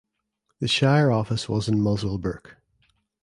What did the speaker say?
The shire office was in Muswellbrook.